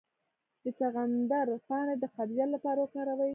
د چغندر پاڼې د قبضیت لپاره وکاروئ